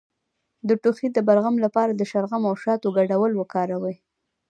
د ټوخي د بلغم لپاره د شلغم او شاتو ګډول وکاروئ